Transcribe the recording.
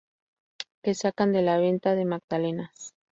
que sacan de la venta de magdalenas